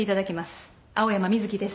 青山瑞希です。